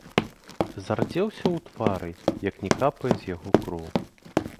Зардзеўся ў твары, як не капае з яго кроў.